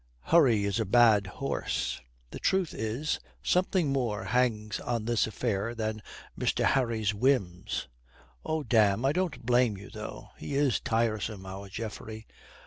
"Hurry is a bad horse. The truth is, something more hangs on this affair than Mr. Harry's whims. Oh, damme, I don't blame you, though. He is tiresome, our Geoffrey."